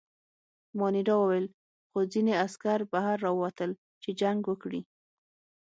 مانیرا وویل: خو ځینې عسکر بهر راووتل، چې جنګ وکړي.